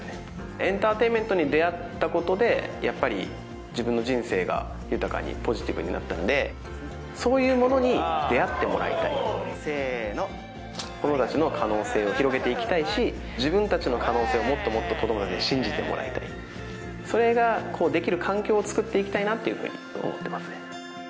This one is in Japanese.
エンターテインメントに出会ったことでやっぱり自分の人生が豊かにポジティブになったのでそういうものに出会ってもらいたいせーのっ子供達の可能性を広げていきたいし自分達の可能性をもっともっと子供達に信じてもらいたいそれができる環境をつくっていきたいなというふうに思ってますね